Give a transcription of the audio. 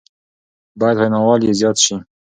بايد ويناوال يې زياد شي